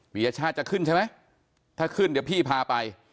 ปียชาติจะขึ้นใช่ไหมถ้าขึ้นเดี๋ยวพี่พาไป